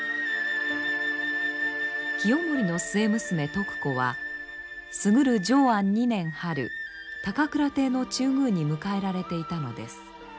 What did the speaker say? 清盛の末娘徳子は過ぐる承安２年春高倉帝の中宮に迎えられていたのです。